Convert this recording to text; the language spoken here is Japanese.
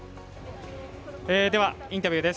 では、インタビューです。